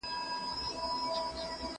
زه پاکوالي ساتلي دي